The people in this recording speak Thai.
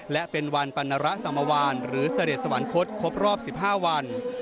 และเป็นวันปรณระสมวานหรือเสด็จสวรรคตครบรอบ๑๕วัน